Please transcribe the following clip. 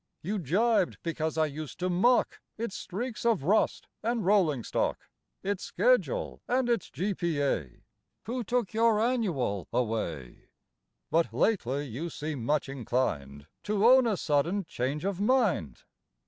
You gibed because I used to mock Its streaks of rust and rolling stock, Its schedule and its G. P. A. (Who took your Annual away,) But lately you seem much inclined To own a sudden change of mind.